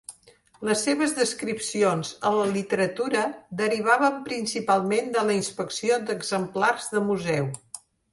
Les seves descripcions a la literatura derivaven principalment de la inspecció d'exemplars de museu.